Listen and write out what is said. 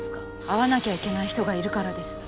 会わなきゃいけない人がいるからです。